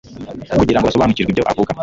kugira ngo basobanukirwe ibyo avuga.